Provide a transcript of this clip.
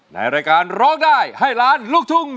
ในรายการร้องได้ให้ล้านลูกทุ่ง